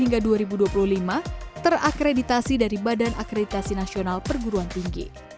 pip makassar sejak dua ribu dua puluh hingga dua ribu dua puluh lima terakreditasi dari badan akreditasi nasional perguruan tinggi